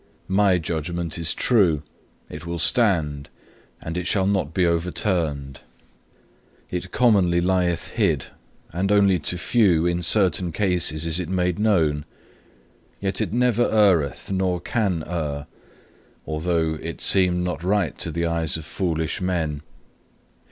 My judgment is true; it will stand, and it shall not be overturned. It commonly lieth hid, and only to few in certain cases is it made known; yet it never erreth, nor can err, although it seem not right to the eyes of foolish men.